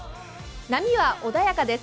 波は穏やかです。